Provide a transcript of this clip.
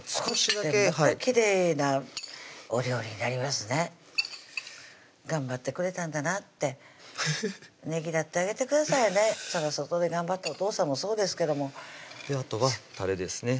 きれいなお料理になりますね頑張ってくれたんだなってねぎらってあげてくださいね外で頑張ったお父さんもそうですけどもあとはたれですね